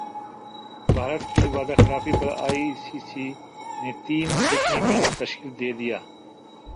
بھارت کی وعدہ خلافی پر ائی سی سی نے تین رکنی پینل تشکیل دیدیا